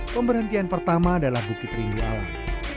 pemberhentian pertama adalah bukit rindu alam